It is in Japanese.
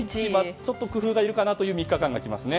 ちょっと工夫がいるかなという３日間が来ますね。